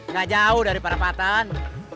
gak jauh dari perapatan